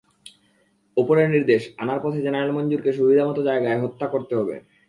ওপরের নির্দেশ, আনার পথে জেনারেল মঞ্জুরকে সুবিধামতো জায়গায় হত্যা করতে হবে।